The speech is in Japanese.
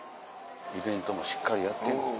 イベントもしっかりやってるんですね。